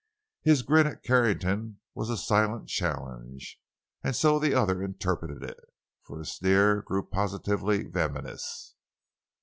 His grin at Carrington was a silent challenge, and so the other interpreted it, for his sneer grew positively venomous.